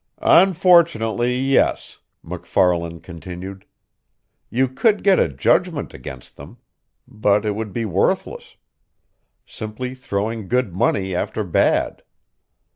"Unfortunately, yes," MacFarlan continued. "You could get a judgment against them. But it would be worthless. Simply throwing good money after bad.